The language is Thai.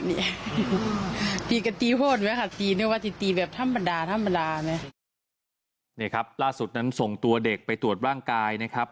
นี่ครับล่าสุดนั้นส่งตัวเด็กไปตรวจร่างกายนะครับ